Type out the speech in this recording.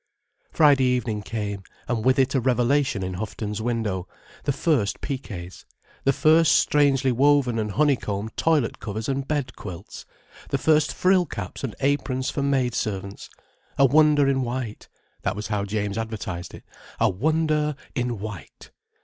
Friday evening came, and with it a revelation in Houghton's window: the first piqués, the first strangely woven and honey combed toilet covers and bed quilts, the first frill caps and aprons for maid servants: a wonder in white. That was how James advertised it. "A Wonder in White."